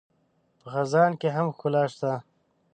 په خزان کې هم ښکلا شته